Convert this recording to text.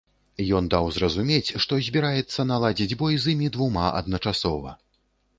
Ён даў зразумець, што збіраецца наладзіць бой з імі двума адначасова.